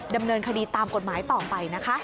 ดำเนินคดีตามกฎหมายต่อไปนะคะ